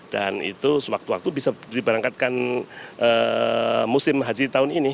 dan itu sewaktu waktu bisa diberangkatkan musim haji tahun ini